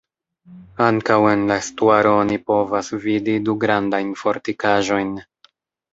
Ankaŭ en la estuaro oni povas vidi du grandajn fortikaĵojn.